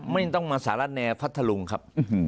ไม่ต้องมาสารแนพัทธลุงครับ